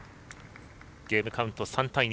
ゲームカウント３対２。